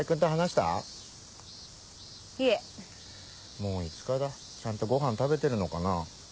もう５日だちゃんとごはん食べてるのかな。